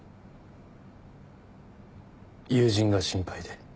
友人が心配で。